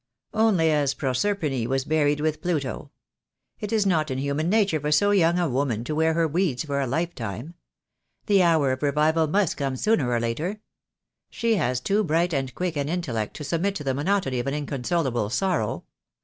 "Only as Proserpine was buried with Pluto. It is not in human nature for so young a woman to wear her weeds for a lifetime. The hour of revival must come sooner or later. She has too bright and quick an intel lect to submit to the monotony of an inconsolable sorrow.